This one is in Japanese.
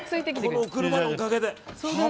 この車のおかげで。